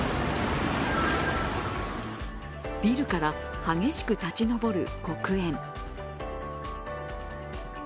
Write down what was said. ビルから激しく立ち上る黒煙。